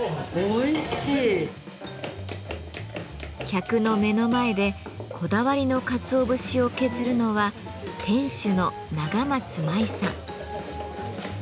客の目の前でこだわりのかつお節を削るのは店主の永松真衣さん。